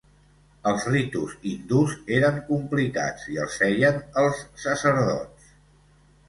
Els ritus hindús eren complicats i els feien els sacerdots.